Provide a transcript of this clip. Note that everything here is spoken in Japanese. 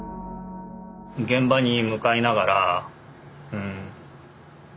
現場に向かいながら。